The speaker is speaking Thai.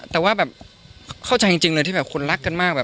แต่ว่าเข้าแจงจริงอะไรที่คุณรักกันมาก